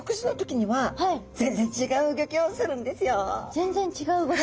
全然違う動き。